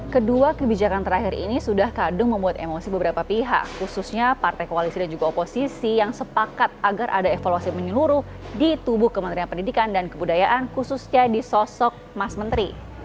kedua kebijakan terakhir ini sudah kadung membuat emosi beberapa pihak khususnya partai koalisi dan juga oposisi yang sepakat agar ada evaluasi menyeluruh di tubuh kementerian pendidikan dan kebudayaan khususnya di sosok mas menteri